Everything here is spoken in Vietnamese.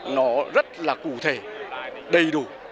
nó rất là cụ thể đầy đủ